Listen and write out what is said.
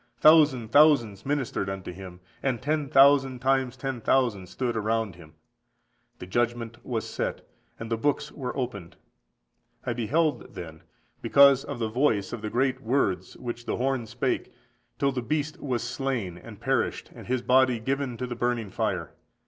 Thousand thousands ministered unto Him, and ten thousand times ten thousand stood around Him: the judgment was set, and the books were opened. I beheld then, because of the voice of the great words which the horn spake, till the beast was slain and per209ished, and his body given to the burning of fire.